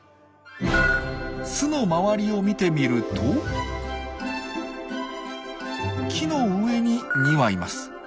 巣の周りを見てみると木の上に２羽います。